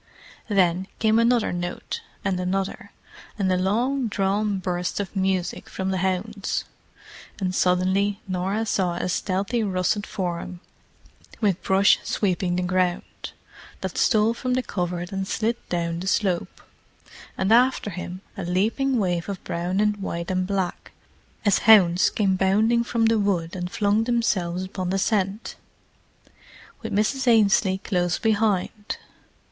Then came another note, and another, and a long drawn burst of music from the hounds; and suddenly Norah saw a stealthy russet form, with brush sweeping the ground, that stole from the covert and slid down the slope, and after him, a leaping wave of brown and white and black as hounds came bounding from the wood and flung themselves upon the scent, with Mrs. Ainslie close behind.